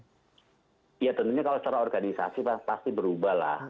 ya tentunya kalau secara organisasi pasti berubah lah